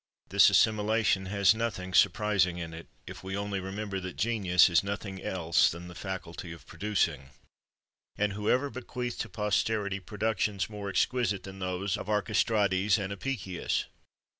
This assimilation has nothing surprising in it, if we only remember that genius is nothing else than the faculty of producing; and who ever bequeathed to posterity productions more exquisite than those of Archestrates and Apicius?